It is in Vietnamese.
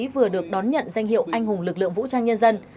vừa được đón nhận danh hiệu anh hùng lực lượng vũ trang nhân dân